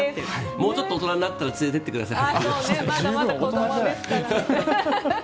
もうちょっと大人になったら連れていってください。